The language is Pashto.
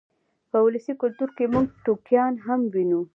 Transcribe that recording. په ولسي کلتور کې موږ ټوکیان هم وینو.